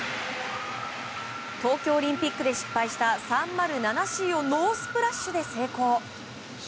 東京オリンピックで失敗した３０７Ｃをノースプラッシュで成功。